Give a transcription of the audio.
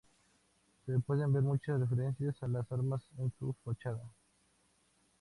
Se pueden ver muchas referencias a las armas en su fachada.